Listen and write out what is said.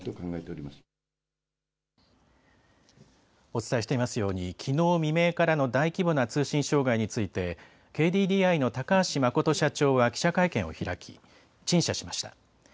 お伝えしていますようにきのう未明からの大規模な通信障害についてＫＤＤＩの高橋誠社長は記者会見を開き陳謝しました。